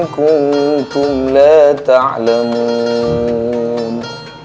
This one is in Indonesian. kuntum la ta'lamun